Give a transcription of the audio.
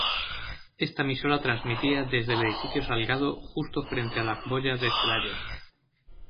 Esta emisora transmitía desde el edificio Salgado justo frente a la bola de Celaya.